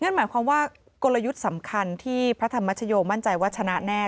นั่นหมายความว่ากลยุทธ์สำคัญที่พระธรรมชโยมั่นใจว่าชนะแน่